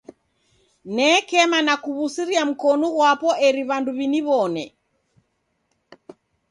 Nekema na kuw'usiria mkonu ghwapo eri w'andu w'iniw'one.